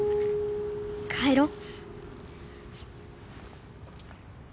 帰ろ？